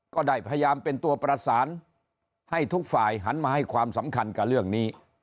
ก็ได้พยายามเป็นตัวประสานให้ทุกฝ่ายหันมาให้ความสำคัญกับเรื่องนี้